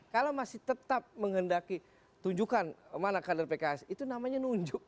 kalau masih tetap menghendaki tunjukkan mana kader pks itu namanya nunjuk